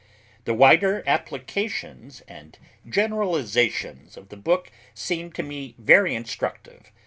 The wider applications and generalizations of the book seem to me very instructive.